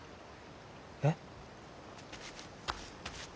えっ？